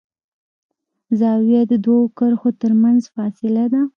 زاویه د دوو کرښو تر منځ فاصله ده.